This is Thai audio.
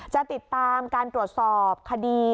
จะติดตามการตรวจสอบคดี